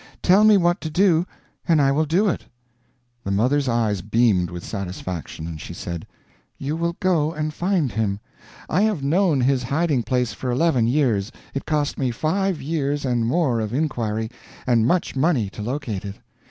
Tell me what to do and I will do it." The mother's eyes beamed with satisfaction, and she said, "You will go and find him. I have known his hiding place for eleven years; it cost me five years and more of inquiry, and much money, to locate it.